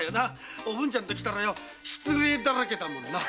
おぶんちゃんときたらよ失礼だらけだもんな。